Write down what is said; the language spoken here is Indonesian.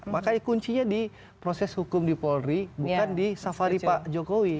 makanya kuncinya di proses hukum di polri bukan di safari pak jokowi